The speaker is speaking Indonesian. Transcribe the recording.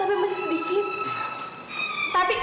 tapi masih sedikit